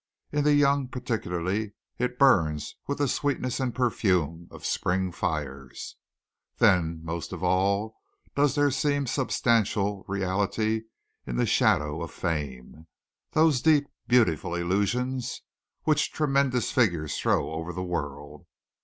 In the young particularly it burns with the sweetness and perfume of spring fires. Then most of all does there seem substantial reality in the shadow of fame those deep, beautiful illusions which tremendous figures throw over the world.